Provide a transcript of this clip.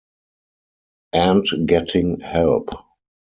And getting help.